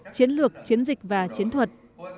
chiến lược chiến dịch và chiến thuật